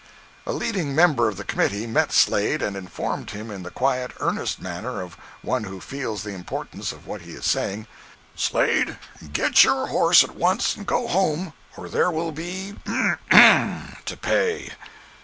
A leading member of the committee met Slade, and informed him in the quiet, earnest manner of one who feels the importance of what he is saying: "Slade, get your horse at once, and go home, or there will be——to pay."